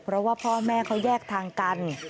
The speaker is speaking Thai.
เพราะว่าพ่อแม่เขาแยกทางกัน